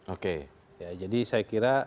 oke jadi saya kira